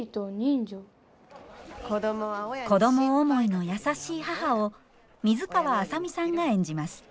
子供思いの優しい母を水川あさみさんが演じます。